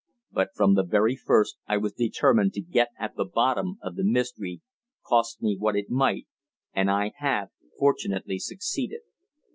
"But from the very first I was determined to get at the bottom of the mystery, cost me what it might and I have fortunately succeeded."